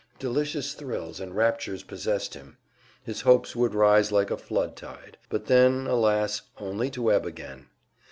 Delicious thrills and raptures possessed him; his hopes would rise like a flood tide but then, alas, only to ebb again!